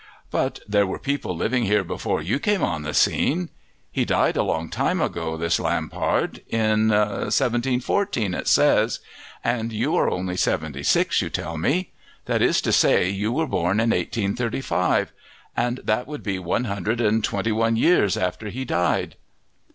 "But there were people living here before you came on the scene. He died a long time ago, this Lampard in 1714, it says. And you are only seventy six, you tell me; that is to say, you were born in 1835, and that would be one hundred and twenty one years after he died."